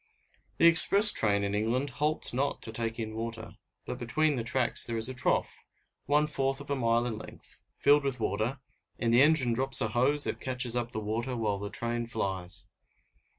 The express train in England halts not to take in water, but between the tracks there is a trough, one fourth of a mile in length, filled with water; and the engine drops a hose that catches up the water while the train flies.